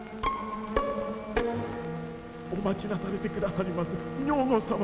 お待ちなされてくださりませ女御様。